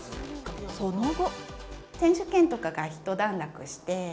その後。